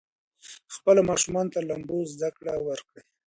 خپلو ماشومانو ته د لامبو زده کړه ورکړئ.